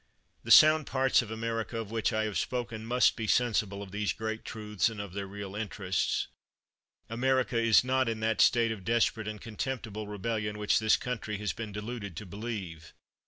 The sound parts of America, of which I have spoken, must be sensible of these great truths and of their real interests. America is not in that state of desperate and contemptible rebel lion which this country has been deluded to believe.